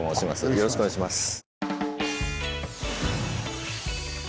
よろしくお願いします。